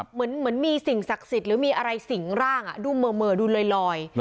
เหมือนมีสิ่งศักดิ์สิทธิ์หรือมีอะไรสิงร่างดูเหม่อดูลอย